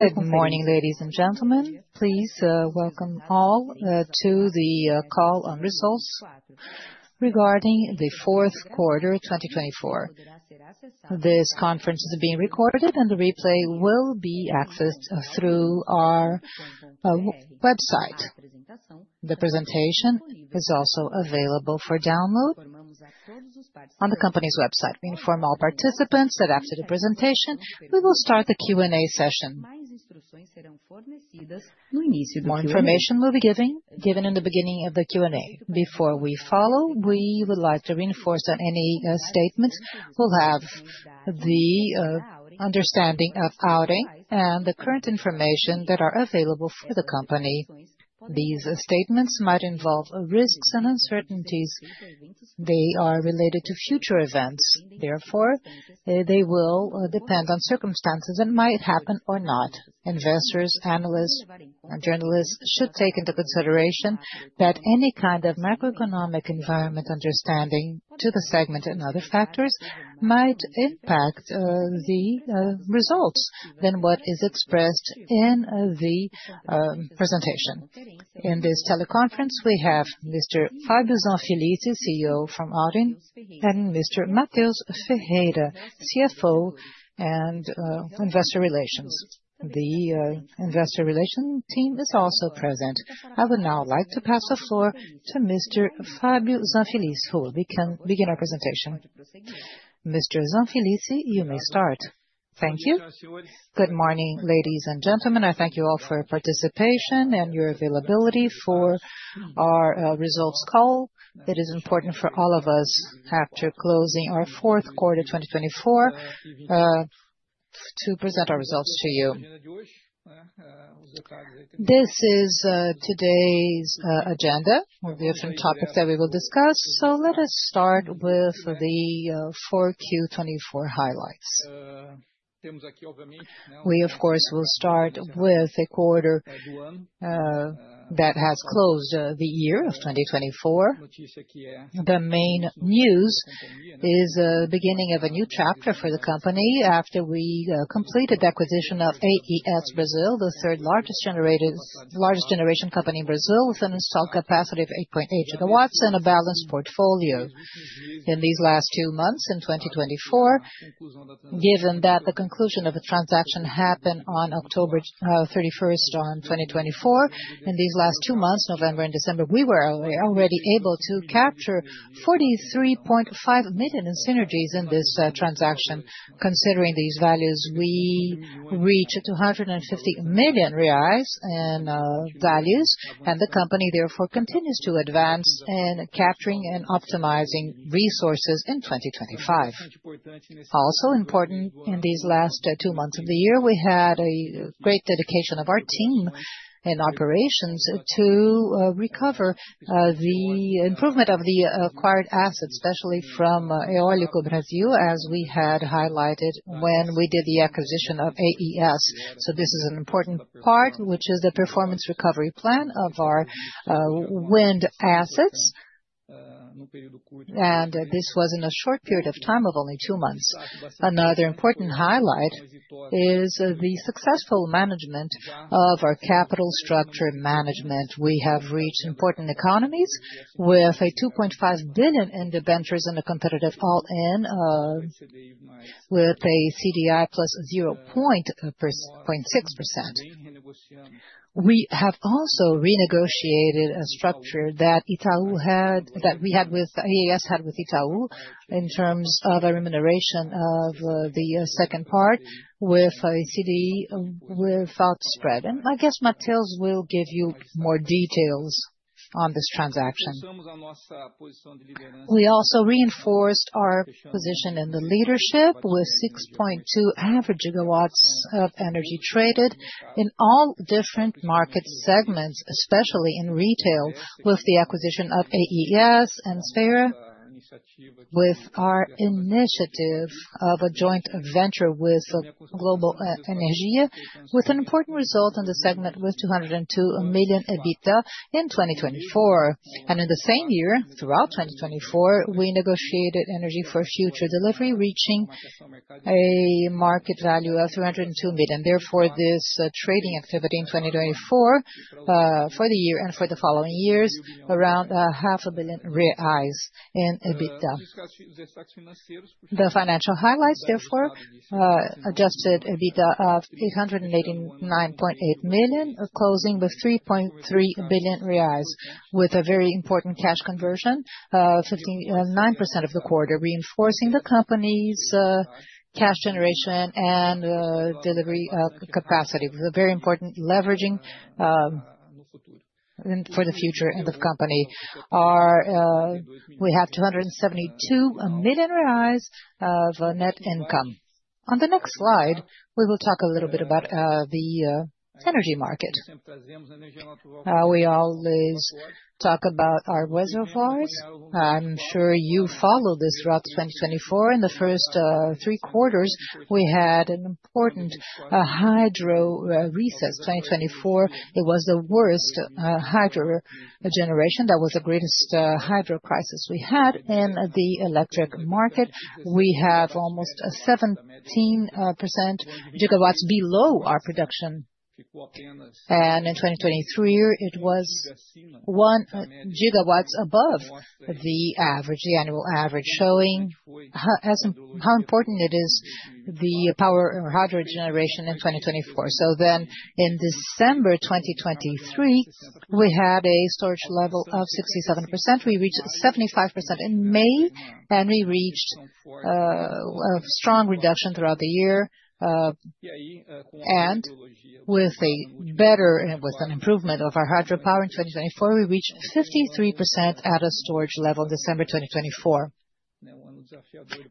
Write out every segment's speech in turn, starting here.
Good morning, ladies and gentlemen. Please welcome all to the call on results regarding the Q4 2024. This conference is being recorded, and the replay will be accessed through our website. The presentation is also available for download on the company's website. We inform all participants that after the presentation, we will start the Q&A session. More information will be given in the beginning of the Q&A. Before we proceed, we would like to reinforce that any forward-looking statements are based on the current information that is available to the company. These statements might involve risks and uncertainties. They are related to future events. Therefore, they will depend on circumstances and might happen or not. Investors, analysts, and journalists should take into consideration that any kind of macroeconomic environment understanding to the segment and other factors might impact the results than what is expressed in the presentation. In this teleconference, we have Mr. Fabio Zanfelice, CEO from Auren, and Mr. Mateus Ferreira, CFO and Investor Relations. The Investor Relations team is also present. I would now like to pass the floor to Mr. Fabio Zanfelice, who will begin our presentation. Mr. Zanfelice, you may start. Thank you. Good morning, ladies and gentlemen. I thank you all for participation and your availability for our results call. It is important for all of us, after closing our Q4 2024, to present our results to you. This is today's agenda, a different topic that we will discuss so let us start with the 4Q24 highlights. We, of course, will start with a quarter that has closed the year of 2024. The main news is the beginning of a new chapter for the company after we completed the acquisition of AES Brasil, the third largest generation company in Brazil with an installed capacity of 8.8 gigawatts and a balanced portfolio. In these last two months, in 2024, given that the conclusion of a transaction happened on October 31st, 2024, in these last two months, November and December, we were already able to capture 43.5 million in synergies in this transaction. Considering these values, we reached 250 million reais in values, and the company therefore continues to advance in capturing and optimizing resources in 2025. Also important in these last two months of the year, we had a great dedication of our team in operations to recover the improvement of the acquired assets, especially from Eólico Brasil, as we had highlighted when we did the acquisition of AES, so this is an important part, which is the performance recovery plan of our wind assets, and this was in a short period of time of only two months. Another important highlight is the successful management of our capital structure management. We have reached important economies with 2.5 billion in the debentures and a competitive all-in, with a CDI plus 0.6%. We have also renegotiated a structure that we had with AES had with Itaú in terms of a remuneration of the second part with a CDI without spread, and I guess Matheus will give you more details on this transaction. We also reinforced our position in the leadership with 6.2 average gigawatts of energy traded in all different market segments, especially in retail, with the acquisition of AES and Esfera, with our initiative of a joint venture with Global Energia, with an important result in the segment with 202 million EBITDA in 2024. And in the same year, throughout 2024, we negotiated energy for future delivery, reaching a market value of 302 million. Therefore, this trading activity in 2024, for the year and for the following years, 500 million reais in EBITDA. The financial highlights, therefore, adjusted EBITDA of 889.8 million, closing with 3.3 billion reais, with a very important cash conversion of 59% of the quarter, reinforcing the company's cash generation and delivery capacity, with a very important leveraging for the future end of the company. We have 272 million reais of net income. On the next slide, we will talk a little bit about the energy market. We always talk about our reservoirs. I'm sure you follow this throughout 2024. In the first three quarters, we had an important hydro recession. 2024, it was the worst hydro generation. That was the greatest hydro crisis we had in the electric market. We have almost 17% gigawatts below our production, and in 2023, it was 1 gigawatt above the average, the annual average, showing how important it is, the power or hydro generation in 2024, so then in December 2023, we had a storage level of 67%. We reached 75% in May, and we reached a strong reduction throughout the year, and with an improvement of our hydro power in 2024, we reached 53% at a storage level in December 2024,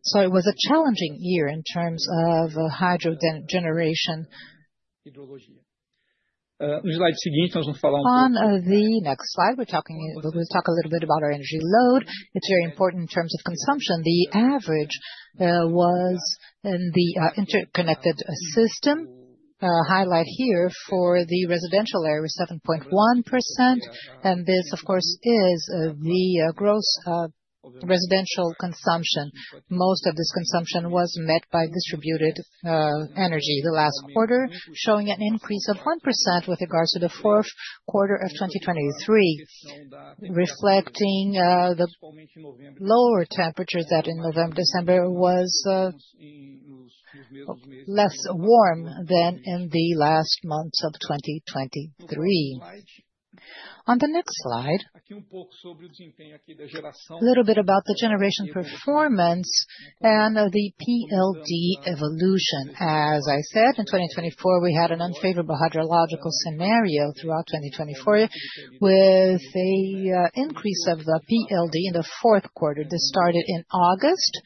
so it was a challenging year in terms of hydro generation. On the next slide, we'll talk a little bit about our energy load. It's very important in terms of consumption. The average was in the interconnected system. Highlight here for the residential area was 7.1%, and this, of course, is the gross residential consumption. Most of this consumption was met by distributed energy. The last quarter showing an increase of 1% with regards to the Q4 of 2023, reflecting the lower temperature that in November-December was less warm than in the last months of 2023. On the next slide, a little bit about the generation performance and the PLD evolution. As I said, in 2024, we had an unfavorable hydrological scenario throughout 2024, with an increase of the PLD in the Q4. This started in August,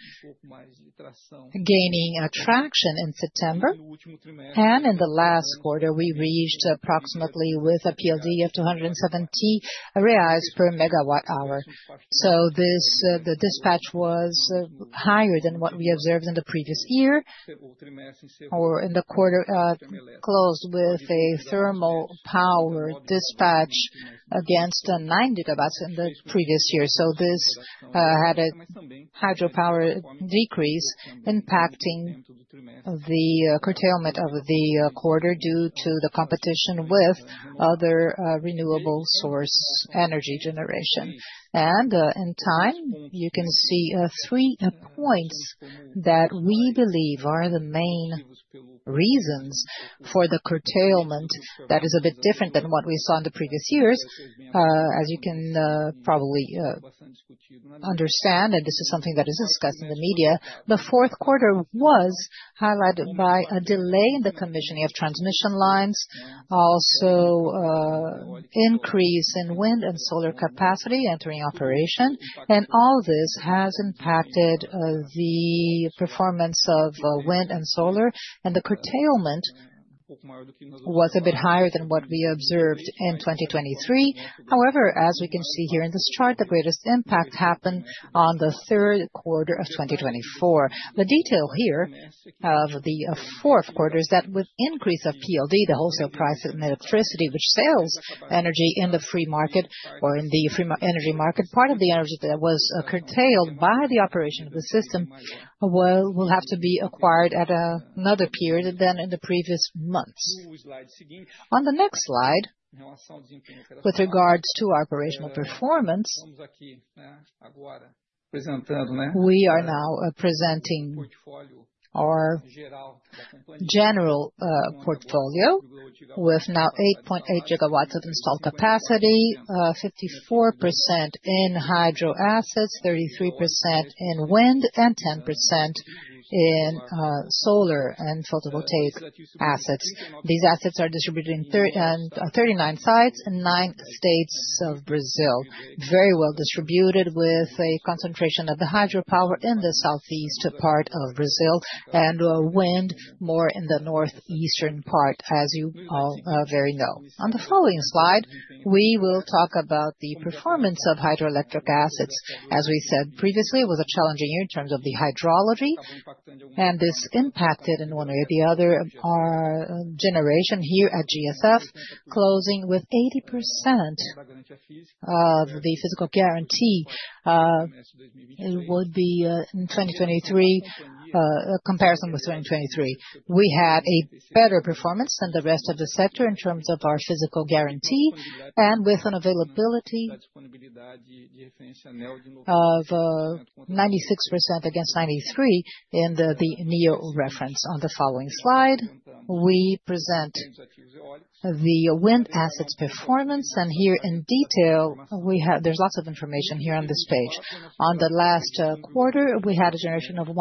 gaining traction in September, and in the last quarter, we reached approximately with a PLD of 270 reais per megawatt hour. The dispatch was higher than what we observed in the previous year, or in the quarter closed with a thermal power dispatch against nine gigawatts in the previous year. This had a hydro power decrease, impacting the curtailment of the quarter due to the competition with other renewable source energy generation. In time, you can see three points that we believe are the main reasons for the curtailment that is a bit different than what we saw in the previous years. As you can probably understand, and this is something that is discussed in the media, the Q4 was highlighted by a delay in the commissioning of transmission lines, also an increase in wind and solar capacity entering operation. All this has impacted the performance of wind and solar, and the curtailment was a bit higher than what we observed in 2023. However, as we can see here in this chart, the greatest impact happened on the Q3 of 2024. The detail here of the Q4 is that with the increase of PLD, the wholesale price of electricity, which sells energy in the free market or in the free energy market, part of the energy that was curtailed by the operation of the system will have to be acquired at another period than in the previous months. On the next slide, with regards to our operational performance, we are now presenting our general portfolio with now 8.8 gigawatts of installed capacity, 54% in hydro assets, 33% in wind, and 10% in solar and photovoltaic assets. These assets are distributed in 39 sites and nine states of Brazil, very well distributed with a concentration of the hydro power in the southeast part of Brazil and wind more in the northeastern part, as you all very know. On the following slide, we will talk about the performance of hydroelectric assets. As we said previously, it was a challenging year in terms of the hydrology, and this impacted in one way or the other our generation here at GSF, closing with 80% of the physical guarantee. It would be in 2023, a comparison with 2023. We had a better performance than the rest of the sector in terms of our physical guarantee and with an availability of 96% against 93% in the NEO reference. On the following slide, we present the wind assets performance, and here in detail, there's lots of information here on this page. On the last quarter, we had a generation of 1.2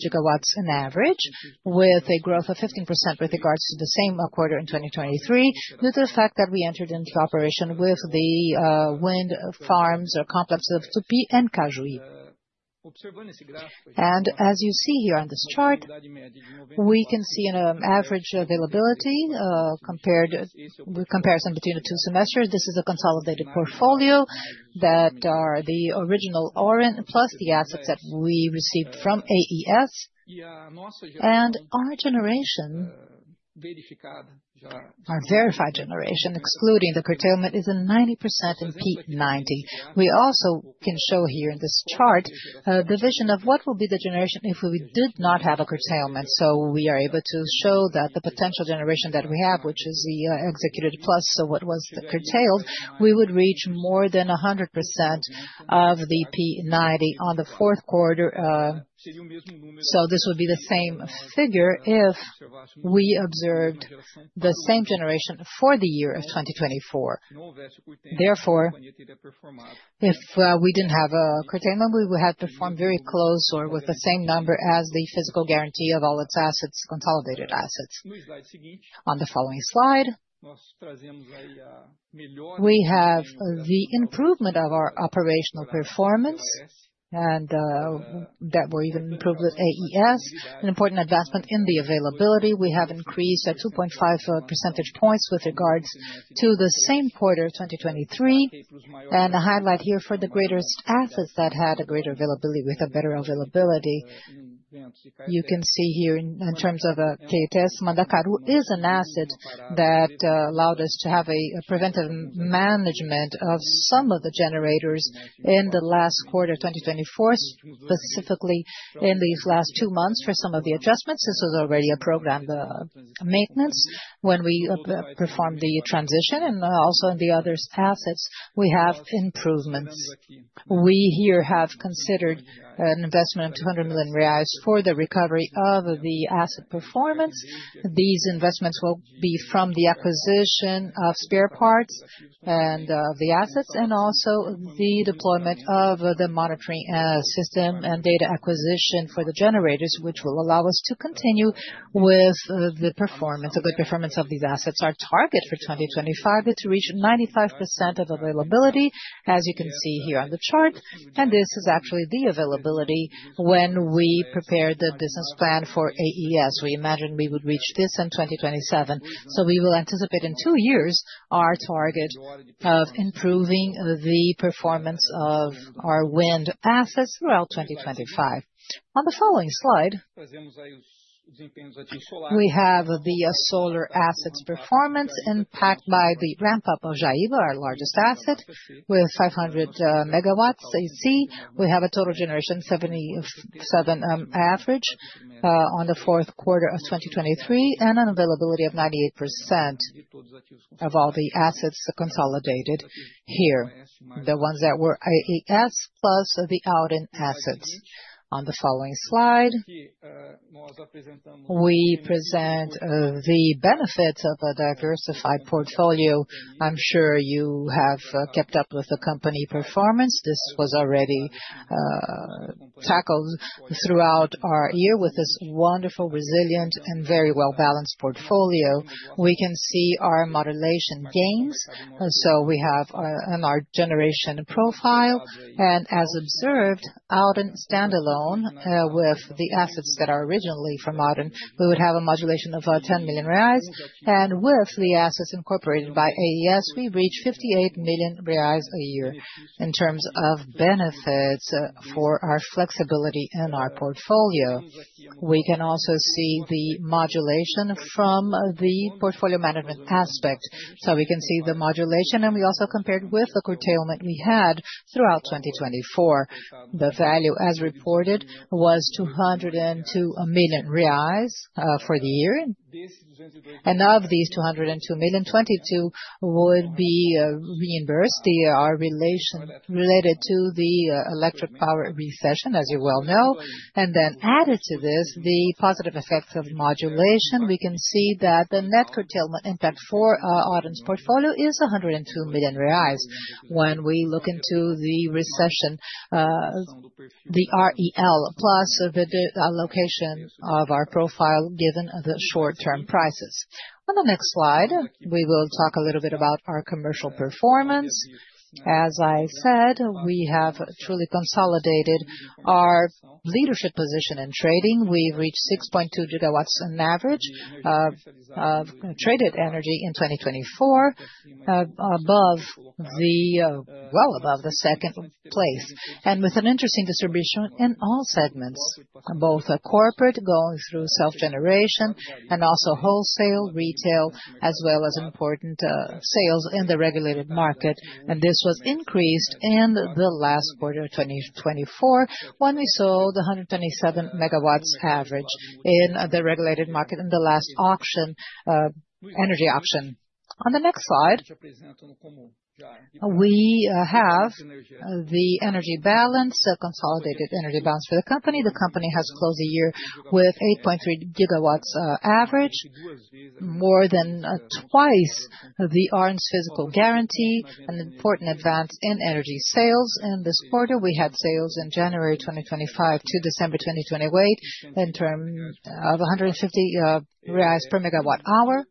gigawatts in average, with a growth of 15% with regards to the same quarter in 2023, due to the fact that we entered into operation with the wind farms or complex of Tupi and Cajuí. And as you see here on this chart, we can see an average availability compared with comparison between the two semesters. This is a consolidated portfolio that are the original Auren plus the assets that we received from AES. And our generation, our verified generation, excluding the curtailment, is in 90% in P90. We also can show here in this chart the vision of what will be the generation if we did not have a curtailment. So we are able to show that the potential generation that we have, which is the executed plus what was curtailed, we would reach more than 100% of the P90 on the Q4. So this would be the same figure if we observed the same generation for the year of 2024. Therefore, if we didn't have a curtailment, we would have performed very close or with the same number as the physical guarantee of all its assets, consolidated assets. On the following slide, we have the improvement of our operational performance and that we're even improved with AES, an important advancement in the availability. We have increased at 2.5 percentage points with regards to the same quarter of 2023. And the highlight here for the greatest assets that had a greater availability with a better availability. You can see here in terms of TETS. Mandacaru is an asset that allowed us to have a preventive management of some of the generators in the last quarter of 2024, specifically in these last two months for some of the adjustments. This was already a program maintenance when we performed the transition. And also in the other assets, we have improvements. We here have considered an investment of 200 million reais for the recovery of the asset performance. These investments will be from the acquisition of spare parts and of the assets and also the deployment of the monitoring system and data acquisition for the generators, which will allow us to continue with the performance. The performance of these assets are targeted for 2025 to reach 95% of availability, as you can see here on the chart. This is actually the availability when we prepared the business plan for AES. We imagined we would reach this in 2027. We will anticipate in two years our target of improving the performance of our wind assets throughout 2025. On the following slide, we have the solar assets performance impact by the ramp-up of Jaíba, our largest asset, with 500 megawatts AC. We have a total generation of 77% average on the Q4 of 2023 and an availability of 98% of all the assets consolidated here, the ones that were AES plus the Auren assets. On the following slide, we present the benefits of a diversified portfolio. I'm sure you have kept up with the company performance. This was already tackled throughout our year with this wonderful, resilient, and very well-balanced portfolio. We can see our modulation gains. We have our generation profile. As observed, Auren standalone with the assets that are originally from Auren, we would have a modulation of 10 million reais. With the assets incorporated by AES, we reach 58 million reais a year in terms of benefits for our flexibility in our portfolio. We can also see the modulation from the portfolio management aspect. We can see the modulation, and we also compared with the curtailment we had throughout 2024. The value, as reported, was 202 million reais for the year. Of these 202 million, 22 million would be reimbursed, our relation related to the electric power recession, as you well know. Then added to this, the positive effects of modulation, we can see that the net curtailment impact for Auren's portfolio is 102 million reais. When we look into the recession, the REL plus the allocation of our profile given the short-term prices. On the next slide, we will talk a little bit about our commercial performance. As I said, we have truly consolidated our leadership position in trading. We've reached 6.2 gigawatts in average of traded energy in 2024, well above the second place, and with an interesting distribution in all segments, both corporate going through self-generation and also wholesale, retail, as well as important sales in the regulated market, and this was increased in the last quarter of 2024 when we saw the 127 megawatts average in the regulated market in the last energy auction. On the next slide, we have the energy balance, consolidated energy balance for the company. The company has closed the year with 8.3 gigawatts average, more than twice the Auren's physical guarantee, an important advance in energy sales in this quarter. We had sales in January 2025 to December 2028 in terms of 150 reais per megawatt hour,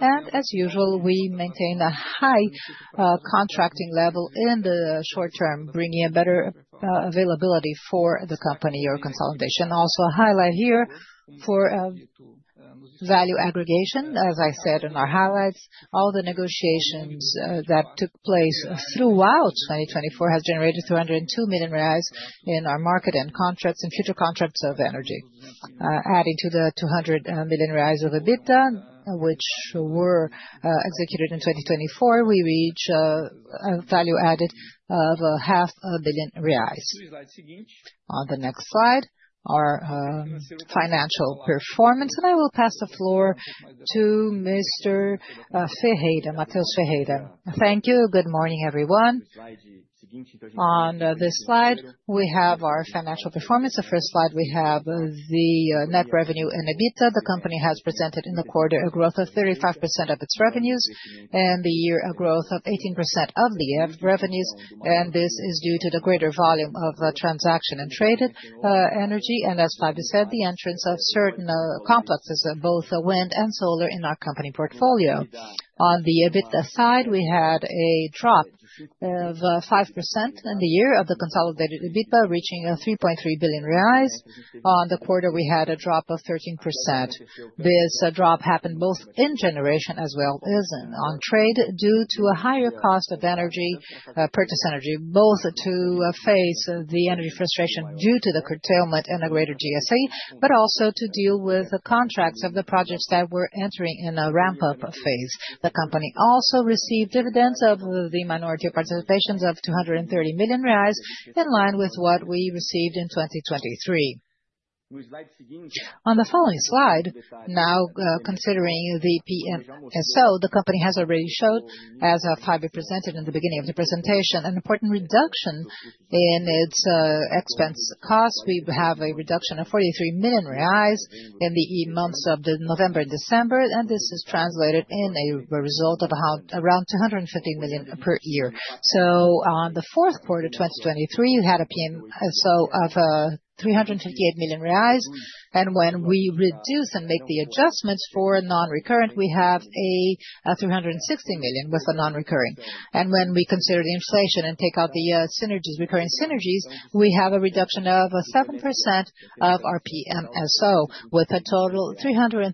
and as usual, we maintain a high contracting level in the short term, bringing a better availability for the company or consolidation. Also, a highlight here for value aggregation, as I said in our highlights, all the negotiations that took place throughout 2024 have generated 302 million reais in our market and contracts and future contracts of energy. Adding to the 200 million reais of EBITDA, which were executed in 2024, we reach a value added of 500 million reais. On the next slide, our financial performance, and I will pass the floor to Mr. Ferreira, Mateus Ferreira. Thank you. Good morning, everyone. On this slide, we have our financial performance. The first slide, we have the net revenue in EBITDA. The company has presented in the quarter a growth of 35% of its revenues and the year a growth of 18% of the revenues. And this is due to the greater volume of transaction and traded energy. And as Fabio said, the entrance of certain complexes, both wind and solar in our company portfolio. On the EBITDA side, we had a drop of 5% in the year of the consolidated EBITDA, reaching 3.3 billion reais. On the quarter, we had a drop of 13%. This drop happened both in generation as well as on trade due to a higher cost of energy, purchased energy, both to face the energy frustration due to the curtailment in the greater GSF, but also to deal with the contracts of the projects that were entering in a ramp-up phase. The company also received dividends of the minority of participations of 230 million reais in line with what we received in 2023. On the following slide, now considering the PMSO, the company has already showed, as Fabio presented in the beginning of the presentation, an important reduction in its expense costs. We have a reduction of 43 million reais in the months of November and December, and this is translated in a result of around 250 million per year, so on the Q4 of 2023, we had a PMSO of 358 million reais. And when we reduce and make the adjustments for non-recurrent, we have a 360 million with a non-recurrent, and when we consider the inflation and take out the recurring synergies, we have a reduction of 7% of our PMSO with a total of 333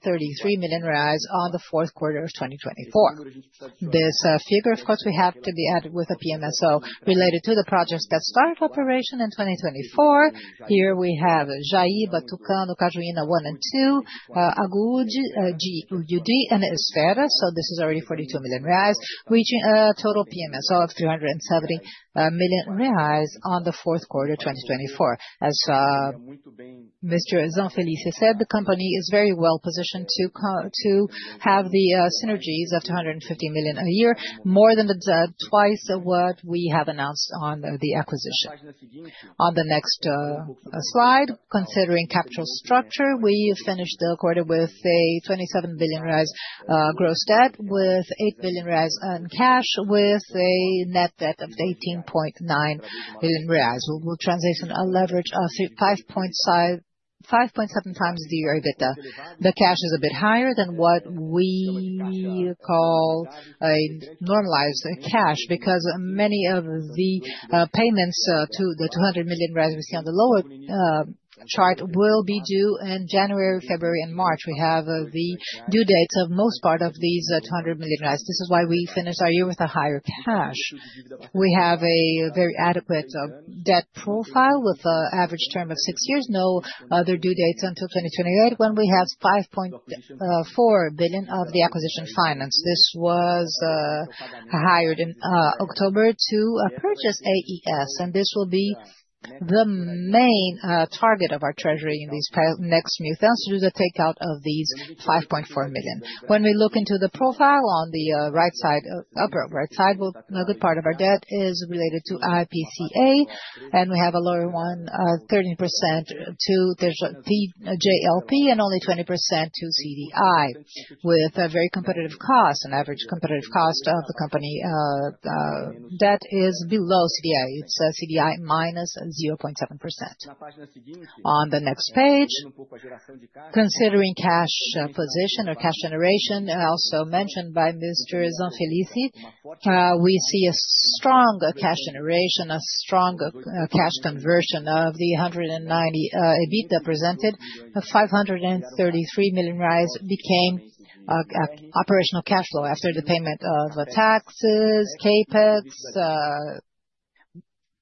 million on the Q4 of 2024. This figure, of course, we have to be added with a PMSO related to the projects that started operation in 2024. Here we have Jaíba, Tucano, Cajuína, one and two, Agude, GUD, and Estrada. So this is already 42 million reais, reaching a total PMSO of 370 million reais on the Q4 of 2024. As Mr. Zanfelice said, the company is very well positioned to have the synergies of 250 million BRL a year, more than twice what we have announced on the acquisition. On the next slide, considering capital structure, we finished the quarter with a 27 billion BRL gross debt, with 8 billion BRL in cash, with a net debt of 18.9 billion reais. We will transition a leverage of 5.7 times the EBITDA. The cash is a bit higher than what we call a normalized cash because many of the payments to the 200 million we see on the lower chart will be due in January, February, and March. We have the due dates of most part of these 200 million. This is why we finished our year with a higher cash. We have a very adequate debt profile with an average term of six years, no other due dates until 2028, when we have 5.4 billion of the acquisition finance. This was hired in October to purchase AES, and this will be the main target of our treasury in these next few months to do the takeout of these 5.4 billion. When we look into the profile on the right side, upper right side, a good part of our debt is related to IPCA, and we have a lower one, 13% to TJLP and only 20% to CDI, with a very competitive cost. An average competitive cost of the company debt is below CDI. It's a CDI minus 0.7%. On the next page, considering cash position or cash generation, also mentioned by Mr. Zanfelice, we see a strong cash generation, a strong cash conversion of the 190 EBITDA presented. 533 million became operational cash flow after the payment of taxes, CapEx,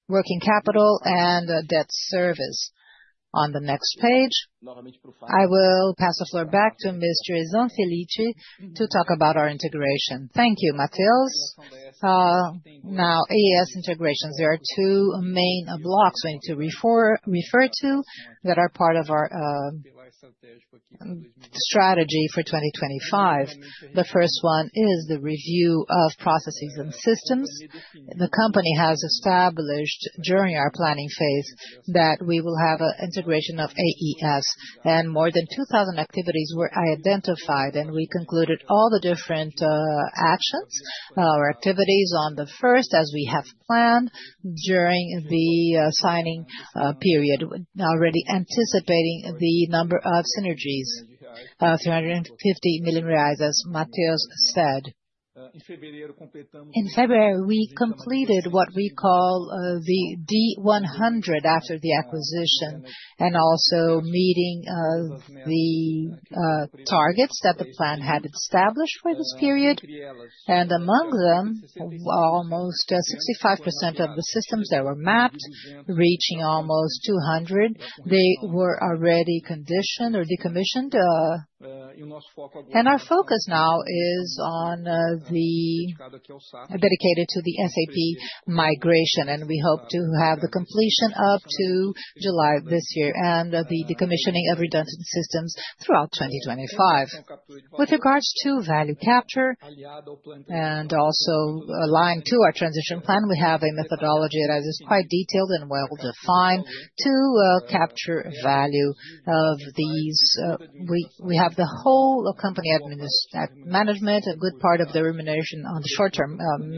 working capital, and debt service. On the next page, I will pass the floor back to Mr. Zanfelice to talk about our integration. Thank you, Mateus. Now, AES integration, there are two main blocks we need to refer to that are part of our strategy for 2025.The first one is the review of processes and systems. The company has established during our planning phase that we will have an integration of AES, and more than 2,000 activities were identified, and we concluded all the different actions or activities on the first, as we have planned during the signing period, already anticipating the number of synergies of 350 million reais, as Mateus said. In February, we completed what we call the D100 after the acquisition and also meeting the targets that the plan had established for this period, and among them, almost 65% of the systems that were mapped, reaching almost 200, they were already conditioned or decommissioned, and our focus now is dedicated to the SAP migration, and we hope to have the completion up to July this year and the decommissioning of redundant systems throughout 2025. With regards to value capture and also aligned to our transition plan, we have a methodology that is quite detailed and well-defined to capture value of these. We have the whole company management, a good part of the remuneration on the short-term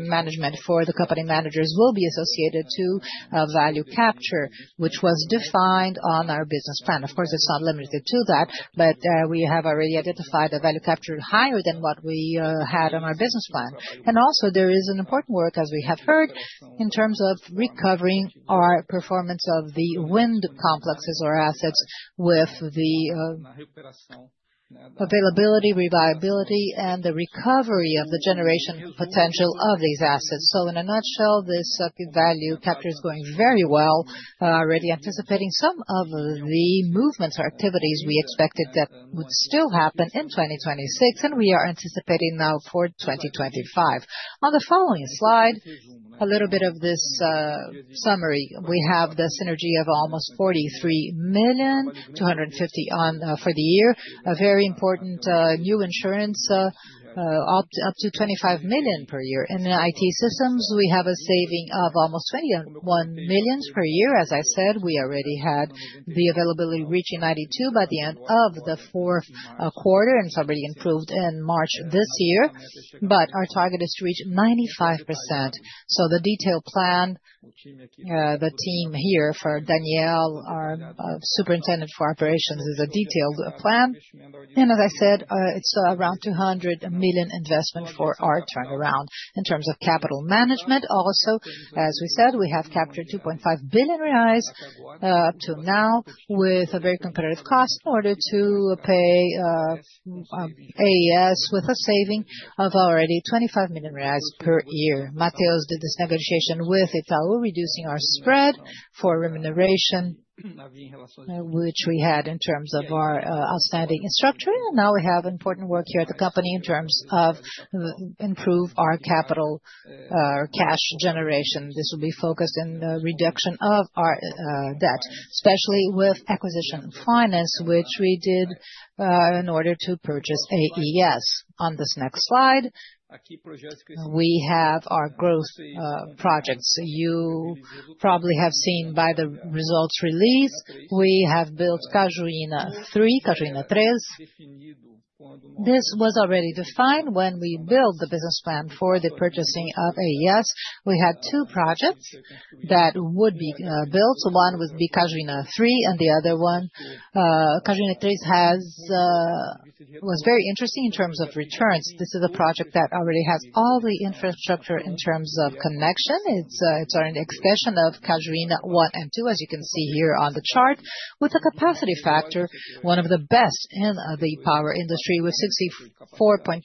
management for the company managers will be associated to value capture, which was defined on our business plan. Of course, it's not limited to that, but we have already identified a value capture higher than what we had on our business plan, and also, there is important work, as we have heard, in terms of recovering our performance of the wind complexes or assets with the availability, reliability, and the recovery of the generation potential of these assets. So in a nutshell, this value capture is going very well already, anticipating some of the movements or activities we expected that would still happen in 2026, and we are anticipating now for 2025. On the following slide, a little bit of this summary. We have the synergy of almost 43 million, 250 for the year, a very important new insurance up to 25 million per year. In the IT systems, we have a saving of almost 21 million per year. As I said, we already had the availability reaching 92% by the end of the Q4, and it's already improved in March this year. But our target is to reach 95%. So the detailed plan, the team here for Danielle, our Superintendent for Operations, is a detailed plan. And as I said, it's around 200 million investment for our turnaround in terms of capital management. Also, as we said, we have captured 2.5 billion reais up to now with a very competitive cost in order to pay AES with a saving of already 25 million reais per year. Mateus did this negotiation with Itaú, reducing our spread for remuneration, which we had in terms of our outstanding structure. And now we have important work here at the company in terms of improving our capital or cash generation. This will be focused in the reduction of our debt, especially with acquisition finance, which we did in order to purchase AES. On this next slide, we have our growth projects. You probably have seen by the results release, we have built Cajuína 3, Cajuína 3. This was already defined when we built the business plan for the purchasing of AES. We had two projects that would be built. One would be Cajuína 3, and the other one, Cajuína 3, was very interesting in terms of returns. This is a project that already has all the infrastructure in terms of connection. It's an extension of Cajuína 1 and 2, as you can see here on the chart, with a capacity factor, one of the best in the power industry, with 64.4%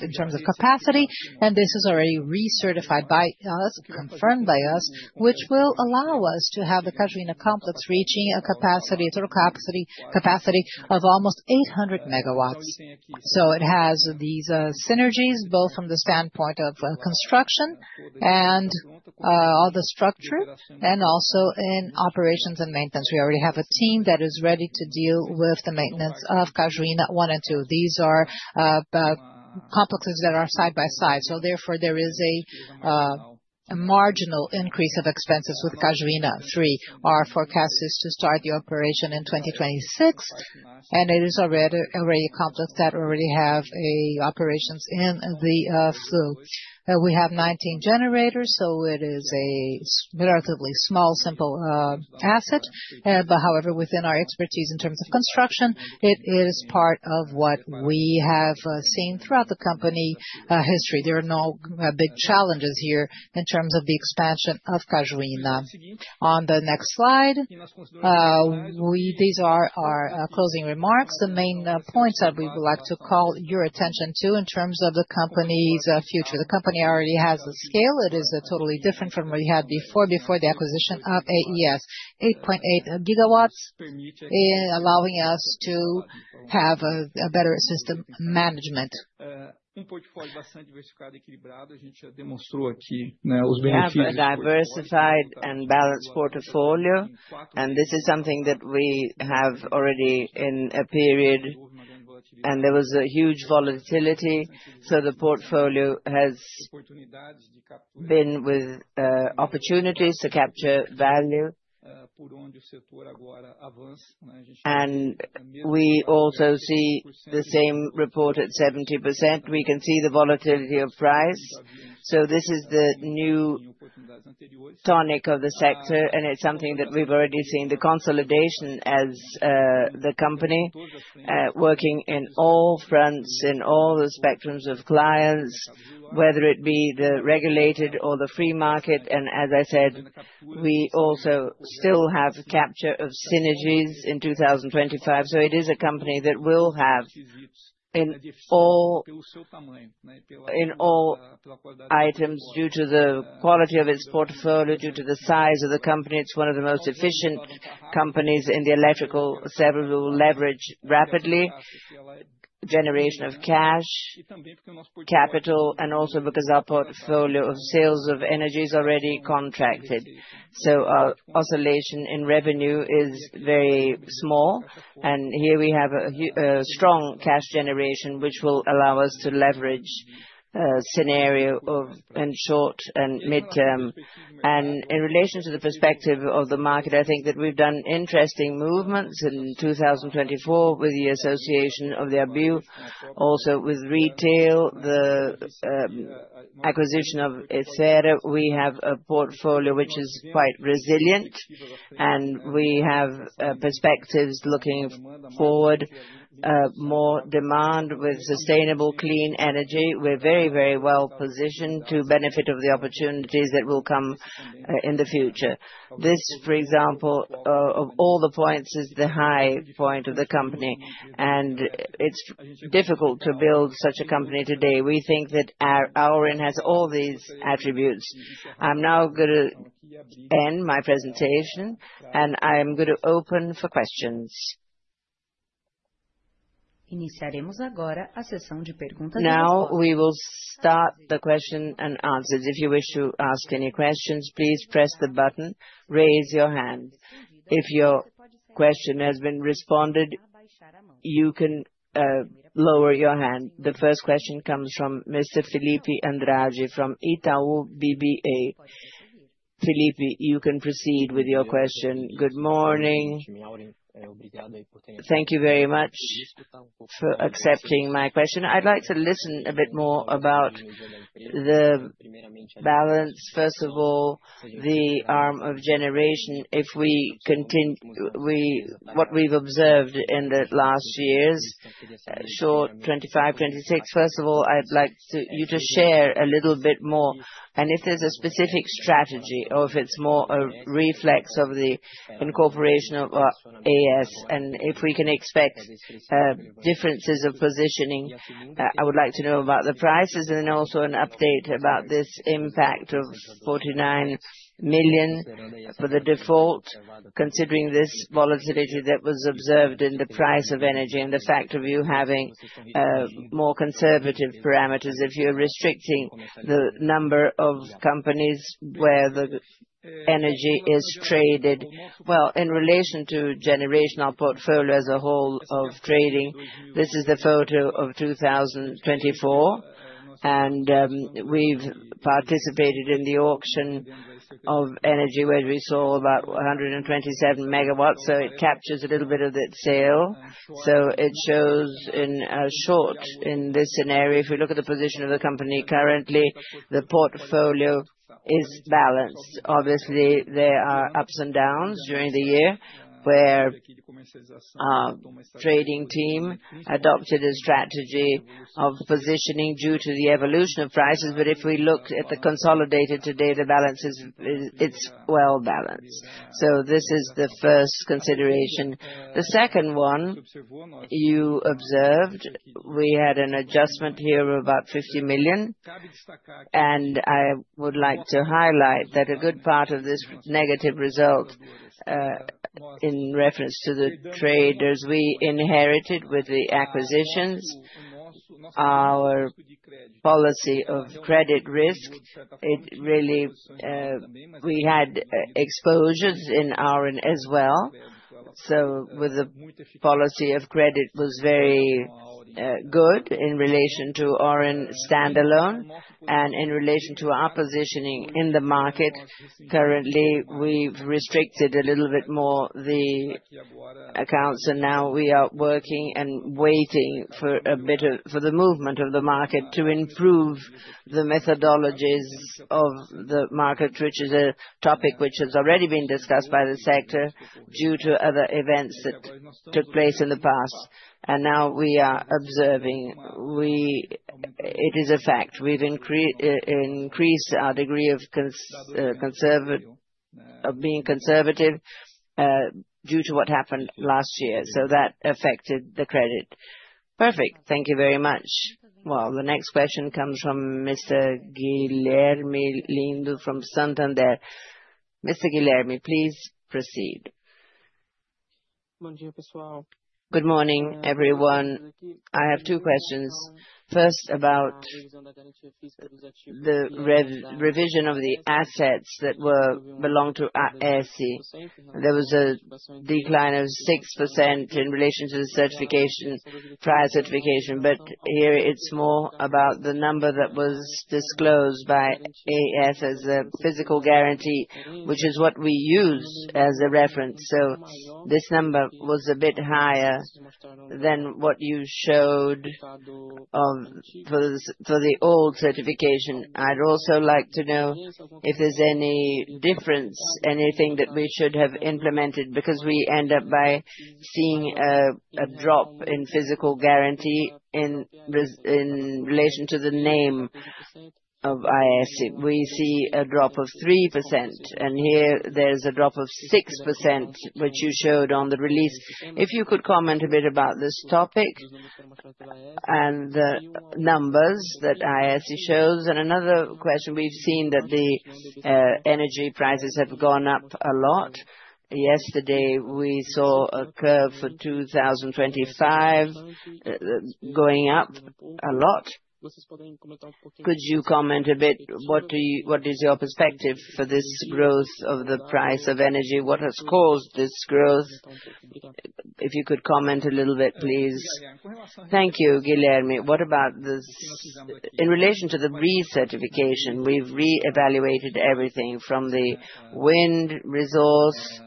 in terms of capacity, and this is already recertified by us, confirmed by us, which will allow us to have the Cajuína complex reaching a capacity, a total capacity of almost 800 MW, so it has these synergies, both from the standpoint of construction and all the structure, and also in operations and maintenance. We already have a team that is ready to deal with the maintenance of Cajuína 1 and 2. These are complexes that are side by side. So therefore, there is a marginal increase of expenses with Cajuína 3. Our forecast is to start the operation in 2026, and it is already a complex that already has operations in the flow. We have 19 generators, so it is a relatively small, simple asset. But however, within our expertise in terms of construction, it is part of what we have seen throughout the company history. There are no big challenges here in terms of the expansion of Cajuína. On the next slide, these are our closing remarks. The main points that we would like to call your attention to in terms of the company's future. The company already has the scale. It is totally different from what we had before the acquisition of AES, 8.8 gigawatts, allowing us to have a better system management. A diversificada e equilibrada, a gente já demonstrou aqui os benefícios. We have a diversified and balanced portfolio, and this is something that we have already in a period, and there was a huge volatility. So the portfolio has been with opportunities to capture value. And we also see the same report at 70%. We can see the volatility of price. So this is the new tonic of the sector, and it's something that we've already seen the consolidation as the company working in all fronts, in all the spectrums of clients, whether it be the regulated or the free market. And as I said, we also still have capture of synergies in 2025. So it is a company that will have in all items due to the quality of its portfolio, due to the size of the company. It's one of the most efficient companies in the electrical sector. We will leverage rapidly generation of cash capital, and also because our portfolio of sales of energy is already contracted. So our oscillation in revenue is very small. And here we have a strong cash generation, which will allow us to leverage a scenario of short and midterm. And in relation to the perspective of the market, I think that we've done interesting movements in 2024 with the association of the AES, also with retail, the acquisition of Esfera. We have a portfolio which is quite resilient, and we have perspectives looking forward, more demand with sustainable clean energy. We're very, very well positioned to benefit from the opportunities that will come in the future. This, for example, of all the points, is the high point of the company, and it's difficult to build such a company today. We think that our Auren has all these attributes. I'm now going to end my presentation, and I am going to open for questions. Iniciaremos agora a sessão de perguntas. Now we will start the question and answers. If you wish to ask any questions, please press the button, raise your hand. If your question has been responded, you can lower your hand. The first question comes from Mr. Filipe Andrade from Itaú BBA. Filipe, you can proceed with your question. Good morning. Thank you very much for accepting my question. I'd like to listen a bit more about the balance. First of all, the arm of generation, if we continue what we've observed in the last years, 2025, 2026. First of all, I'd like you to share a little bit more. If there's a specific strategy, or if it's more a reflex of the incorporation of AES, and if we can expect differences of positioning, I would like to know about the prices, and then also an update about this impact of 49 million for the default, considering this volatility that was observed in the price of energy and the fact of you having more conservative parameters. If you're restricting the number of companies where the energy is traded, well, in relation to generation, our portfolio as a whole of trading, this is the photo of 2024, and we've participated in the auction of energy, where we saw about 127 megawatts. It captures a little bit of that sale. It shows in short, in this scenario, if we look at the position of the company currently, the portfolio is balanced. Obviously, there are ups and downs during the year where our trading team adopted a strategy of positioning due to the evolution of prices. But if we look at the consolidated today, the balance is well balanced. So this is the first consideration. The second one you observed, we had an adjustment here of about 50 million. And I would like to highlight that a good part of this negative result, in reference to the traders, we inherited with the acquisitions, our policy of credit risk. It really, we had exposures in Auren as well. So with the policy of credit, it was very good in relation to Auren standalone and in relation to our positioning in the market. Currently, we've restricted a little bit more the accounts, and now we are working and waiting for a bit of the movement of the market to improve the methodologies of the market, which is a topic which has already been discussed by the sector due to other events that took place in the past, and now we are observing. It is a fact. We've increased our degree of being conservative due to what happened last year, so that affected the credit. Perfect. Thank you very much. Well, the next question comes from Mr. Guilherme Lima from Santander. Mr. Guilherme, please proceed. Bom dia, pessoal. Good morning, everyone. I have two questions. First, about the revision of the assets that belong to AES. There was a decline of 6% in relation to the prior certification. But here, it's more about the number that was disclosed by AES as a physical guarantee, which is what we use as a reference. So this number was a bit higher than what you showed for the old certification. I'd also like to know if there's any difference, anything that we should have implemented, because we end up by seeing a drop in physical guarantee in relation to the name of AES. We see a drop of 3%, and here there's a drop of 6%, which you showed on the release. If you could comment a bit about this topic and the numbers that AES shows. And another question, we've seen that the energy prices have gone up a lot. Yesterday, we saw a curve for 2025 going up a lot. Could you comment a bit? What is your perspective for this growth of the price of energy?bWhat has caused this growth? If you could comment a little bit, please. Thank you, Guilherme. What about this in relation to the recertification? We've reevaluated everything from the wind resource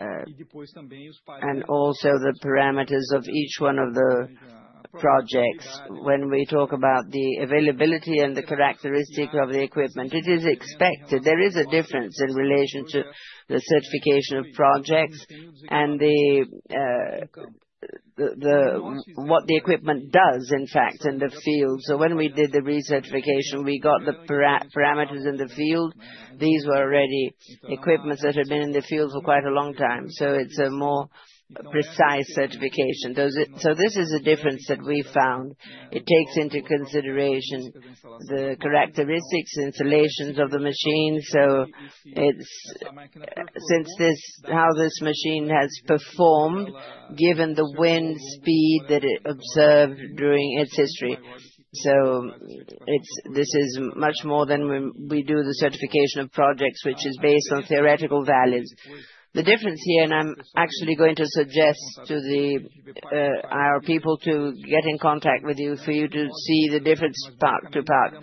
and also the parameters of each one of the projects. When we talk about the availability and the characteristics of the equipment, it is expected there is a difference in relation to the certification of projects and what the equipment does, in fact, in the field. So when we did the recertification, we got the parameters in the field. These were already equipment that had been in the field for quite a long time. So it's a more precise certification. So this is a difference that we found. It takes into consideration the characteristics, installations of the machine. So since how this machine has performed, given the wind speed that it observed during its history. So this is much more than we do the certification of projects, which is based on theoretical values. The difference here, and I'm actually going to suggest to our people to get in contact with you for you to see the difference part to part.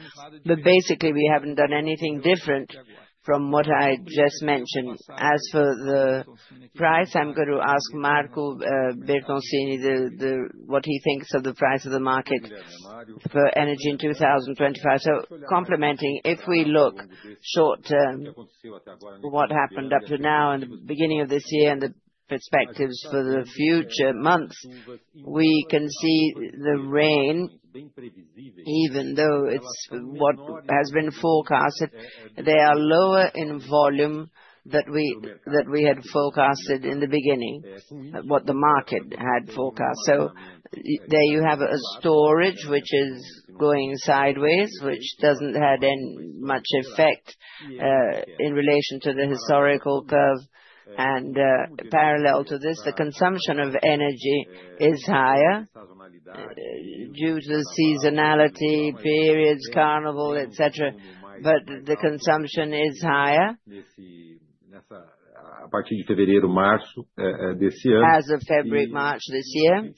But basically, we haven't done anything different from what I just mentioned. As for the price, I'm going to ask Marco Bertoncini what he thinks of the price of the market for energy in 2025. So complementing, if we look short-term for what happened up to now in the beginning of this year and the perspectives for the future months, we can see the rain, even though it's what has been forecasted. They are lower in volume than we had forecasted in the beginning, what the market had forecast. So there you have a storage, which is going sideways, which doesn't have much effect in relation to the historical curve. And parallel to this, the consumption of energy is higher due to seasonality periods, carnival, etc. But the consumption is higher. As of February and March this year.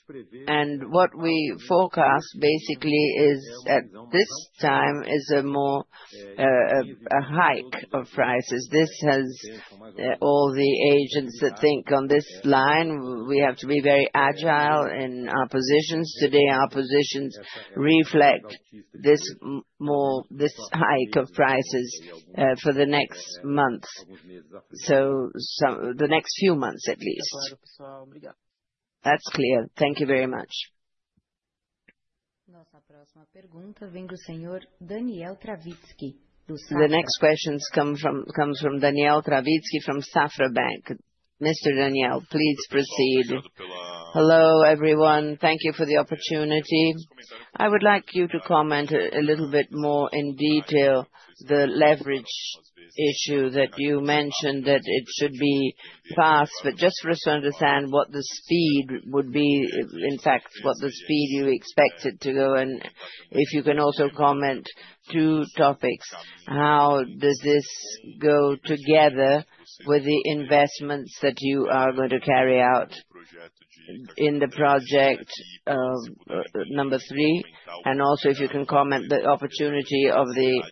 And what we forecast basically at this time is a more hike of prices. This has all the agents that think on this line. We have to be very agile in our positions. Today, our positions reflect this hike of prices for the next month, so the next few months at least. That's clear. Thank you very much. Nossa próxima pergunta vem do senhor Daniel Travitzky. The next question comes from Daniel Travitzky from Safra Bank. Mr. Daniel, please proceed. Hello everyone. Thank you for the opportunity. I would like you to comment a little bit more in detail on the leverage issue that you mentioned, that it should be fast. But just for us to understand what the speed would be, in fact, what the speed you expect it to go. And if you can also comment on two topics. How does this go together with the investments that you are going to carry out in the project number three? And also, if you can comment on the opportunity of the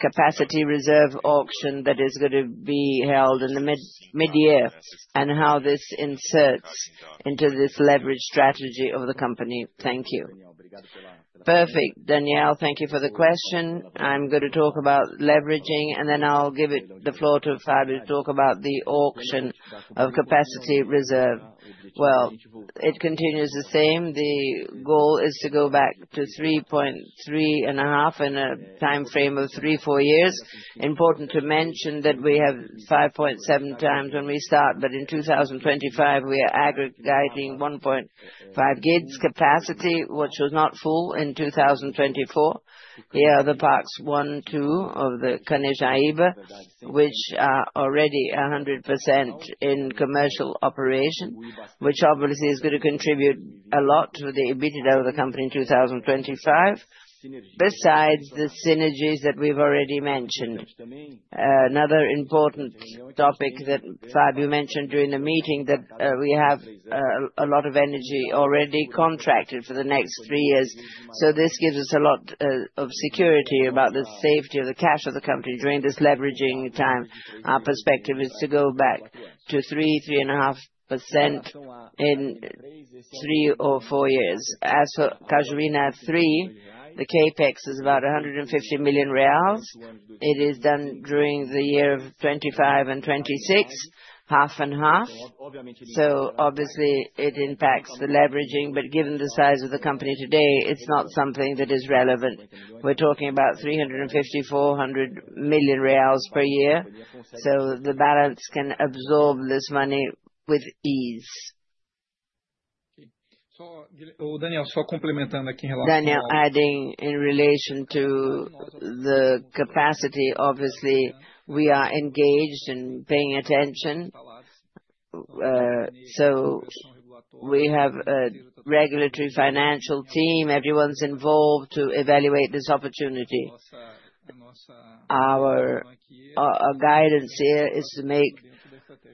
Capacity Reserve Auction that is going to be held in the midyear and how this inserts into this leverage strategy of the company. Thank you. Perfect. Daniel, thank you for the question. I'm going to talk about leveraging, and then I'll give it the floor to Fabio to talk about the auction of capacity reserve. Well, it continues the same. The goal is to go back to 3.3-3.5 in a timeframe of three, four years. Important to mention that we have 5.7 times when we start, but in 2025, we are aggregating 1.5 GW capacity, which was not full in 2024. Here are the parks one, two of the Jaíba, which are already 100% in commercial operation, which obviously is going to contribute a lot to the EBITDA of the company in 2025, besides the synergies that we've already mentioned. Another important topic that Fabio mentioned during the meeting is that we have a lot of energy already contracted for the next three years. This gives us a lot of security about the safety of the cash of the company during this leveraging time. Our perspective is to go back to 3-3.5 times in three or four years. As for Cajuína 3, the CapEx is about 150 million reais. It is done during the year of 2025 and 2026, half and half. So obviously, it impacts the leveraging, but given the size of the company today, it's not something that is relevant. We're talking about 350-400 million reais per year. So the balance can absorb this money with ease. Daniel, só complementando aqui em relação a... Daniel, adding in relation to the capacity, obviously, we are engaged and paying attention. So we have a regulatory financial team. Everyone's involved to evaluate this opportunity. Our guidance here is to make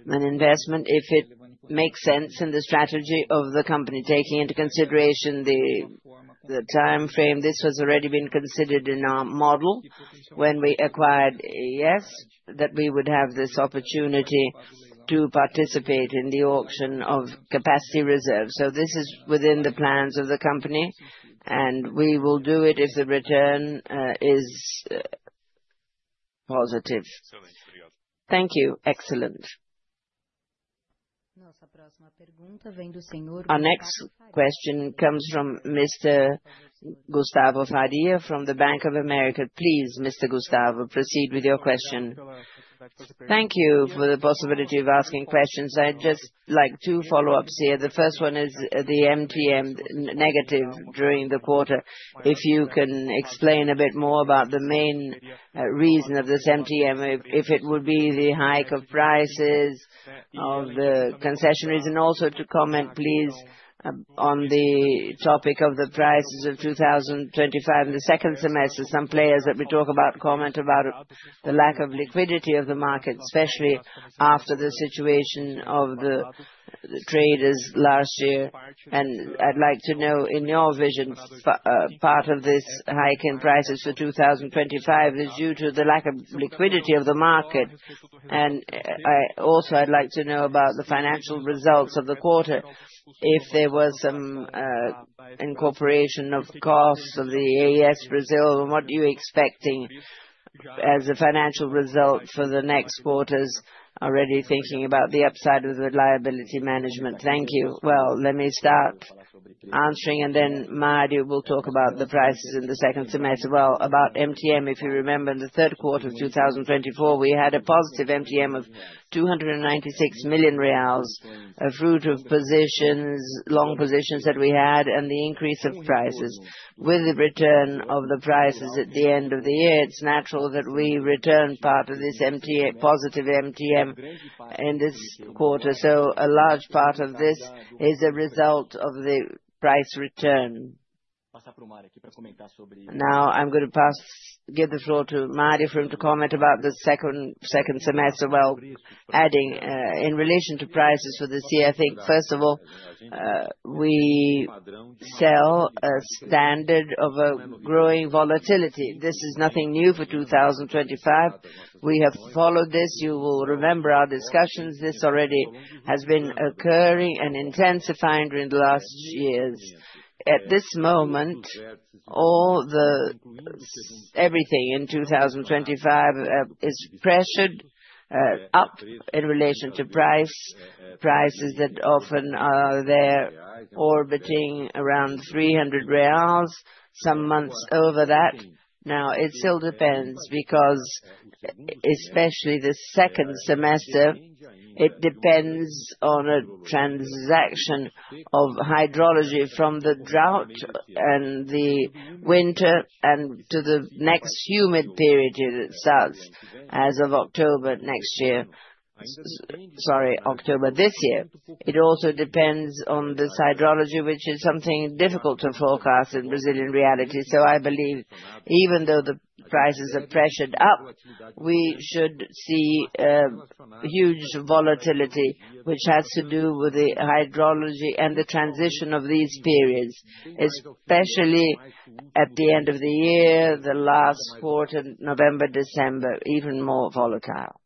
an investment if it makes sense in the strategy of the company, taking into consideration the timeframe. This has already been considered in our model when we acquired AES, that we would have this opportunity to participate in the Capacity Reserve Auction. So this is within the plans of the company, and we will do it if the return is positive. Thank you. Excellent. Nossa próxima pergunta vem do senhor... Our next question comes from Mr. Gustavo Faria, from the Bank of America. Please, Mr. Gustavo, proceed with your question. Thank you for the possibility of asking questions. I'd just like two follow-ups here. The first one is the MTM negative during the quarter. If you can explain a bit more about the main reason of this MTM, if it would be the hike of prices of the concessionaires. And also to comment, please, on the topic of the prices of 2025 in the second semester. Some players that we talk about comment about the lack of liquidity of the market, especially after the situation of the traders last year. And I'd like to know, in your vision, part of this hike in prices for 2025 is due to the lack of liquidity of the market. And I also I'd like to know about the financial results of the quarter. If there was some incorporation of costs of the AES Brasil, what are you expecting as a financial result for the next quarters? Already thinking about the upside of the liability management. Thank you. Well, let me start answering, and then Mario, we'll talk about the prices in the second semester. Well, about MTM, if you remember, in the Q3 of 2024, we had a positive MTM of 296 million reais, a fruit of positions, long positions that we had, and the increase of prices. With the return of the prices at the end of the year, it's natural that we returned part of this positive MTM in this quarter. So a large part of this is a result of the price return. Now I'm going to give the floor to Marco to comment about the second semester. Well, adding in relation to prices for this year, I think, first of all, we see a standard of a growing volatility. This is nothing new for 2025. We have followed this. You will remember our discussions. This already has been occurring and intensifying during the last years. At this moment, everything in 2025 is pressured up in relation to prices, prices that often are there orbiting around 300 reais, some months over that. Now, it still depends because especially the second semester, it depends on a transition of hydrology from the drought and the winter and to the next humid period it starts as of October next year. Sorry, October this year. It also depends on this hydrology, which is something difficult to forecast in Brazilian reality. So I believe even though the prices are pressured up, we should see huge volatility, which has to do with the hydrology and the transition of these periods, especially at the end of the year, the last quarter, November, December, even more volatile.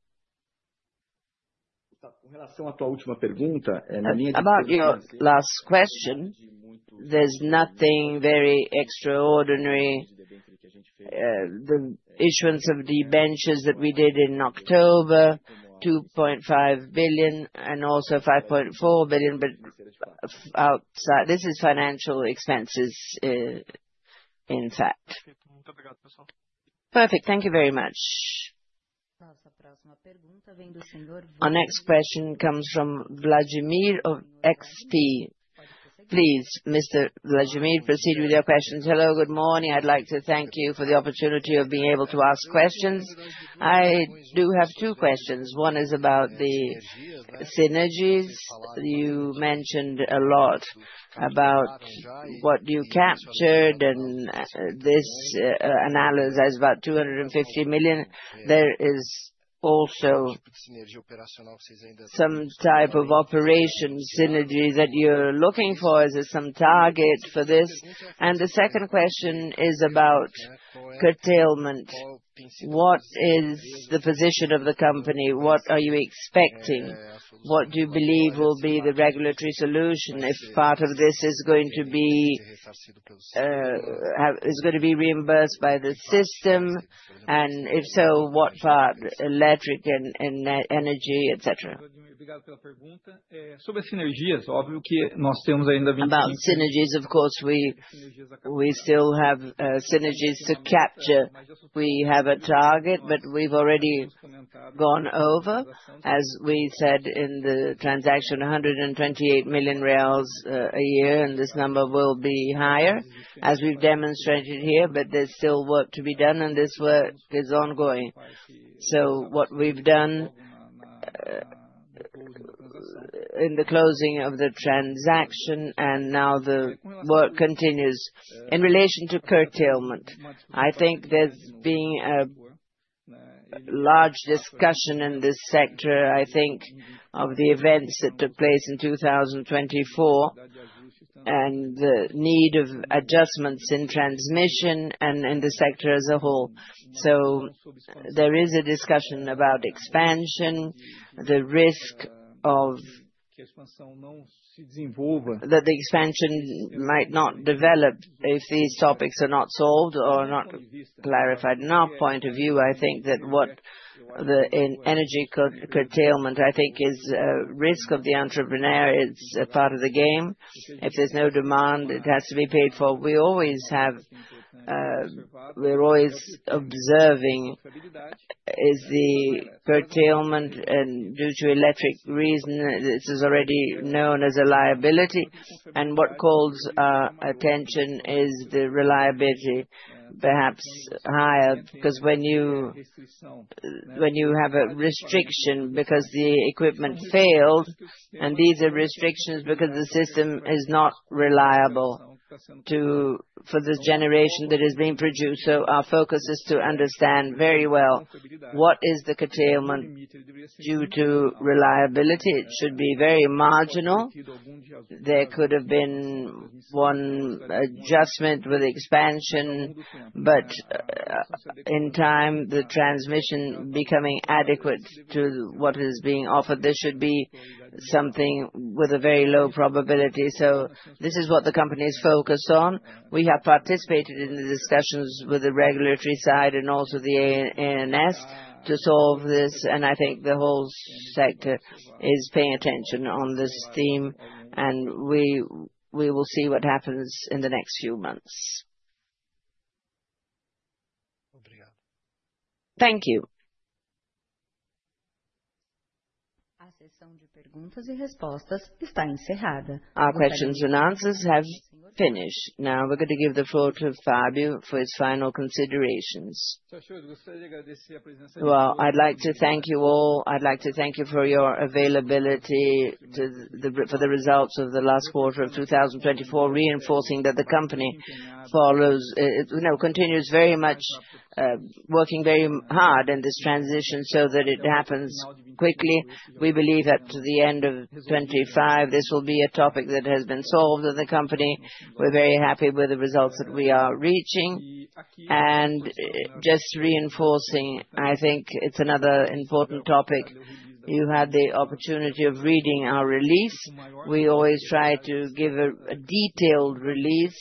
Com relação à tua última pergunta, na minha definição. About your last question, there's nothing very extraordinary. The issuance of the debentures that we did in October, 2.5 billion and also 5.4 billion, but outside, this is financial expenses, in fact. Perfect. Thank you very much. Nossa próxima pergunta vem do senhor. Our next question comes from Vladimir of XP. Please, Mr. Vladimir, proceed with your questions. Hello, good morning. I'd like to thank you for the opportunity of being able to ask questions. I do have two questions. One is about the synergies. You mentioned a lot about what you captured and this analysis about 250 million. There is also some type of operation synergy that you're looking for. Is there some target for this? And the second question is about curtailment. What is the position of the company? What are you expecting? What do you believe will be the regulatory solution if part of this is going to be reimbursed by the system? And if so, what part? Electric and energy, etc. Sobre as sinergias, óbvio que nós temos ainda 25. About synergies, of course, we still have synergies to capture. We have a target, but we've already gone over, as we said in the transaction, 128 million reais a year, and this number will be higher, as we've demonstrated here, but there's still work to be done, and this work is ongoing. So what we've done in the closing of the transaction and now the work continues. In relation to curtailment, I think there's been a large discussion in this sector, I think, of the events that took place in 2024 and the need of adjustments in transmission and in the sector as a whole. So there is a discussion about expansion, the risk of that the expansion might not develop if these topics are not solved or not clarified. In our point of view, I think that what the energy curtailment, I think, is a risk of the entrepreneur. It's a part of the game. If there's no demand, it has to be paid for. We always have, we're always observing is the curtailment and due to electric reasons, this is already known as a liability. What calls our attention is the reliability, perhaps higher, because when you have a restriction because the equipment failed, and these are restrictions because the system is not reliable for the generation that is being produced, so our focus is to understand very well what is the curtailment due to reliability. It should be very marginal. There could have been one adjustment with expansion, but in time, the transmission becoming adequate to what is being offered. There should be something with a very low probability. So this is what the company is focused on. We have participated in the discussions with the regulatory side and also the ONS to solve this. I think the whole sector is paying attention on this theme, and we will see what happens in the next few months. Thank you. A sessão de perguntas e respostas está encerrada. Our questions and answers have finished. Now we're going to give the floor to Fabio for his final considerations. I'd like to thank you all. I'd like to thank you for your availability for the results of the last quarter of 2024, reinforcing that the company follows, you know, continues very much working very hard in this transition so that it happens quickly. We believe that to the end of 2025, this will be a topic that has been solved in the company. We're very happy with the results that we are reaching. Just reinforcing, I think it's another important topic. You had the opportunity of reading our release. We always try to give a detailed release,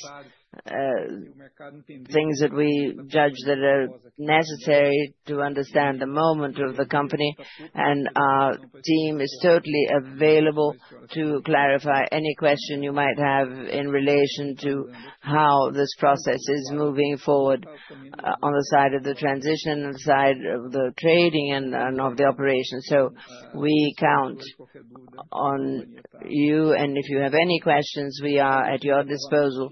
things that we judge that are necessary to understand the moment of the company. And our team is totally available to clarify any question you might have in relation to how this process is moving forward on the side of the transition and the side of the trading and of the operation. So we count on you, and if you have any questions, we are at your disposal.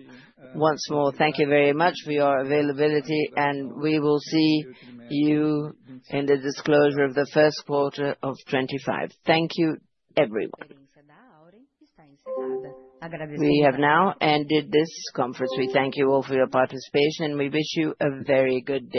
Once more, thank you very much for your availability, and we will see you in the disclosure of the Q1 of 2025. Thank you, everyone. Agradecemos. We have now ended this conference. We thank you all for your participation, and we wish you a very good.